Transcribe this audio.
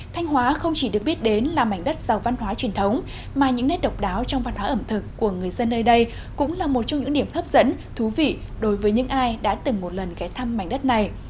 thanh hóa không chỉ được biết đến là mảnh đất giàu văn hóa truyền thống mà những nét độc đáo trong văn hóa ẩm thực của người dân nơi đây cũng là một trong những điểm hấp dẫn thú vị đối với những ai đã từng một lần ghé thăm mảnh đất này